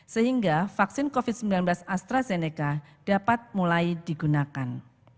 sehingga vaksin covid sembilan belas astrazeneca dapat mulai digunakan